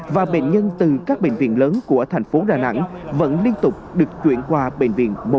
và bệnh nhân từ các bệnh viện lớn của thành phố đà nẵng vẫn liên tục được chuyển qua bệnh viện một trăm chín mươi chín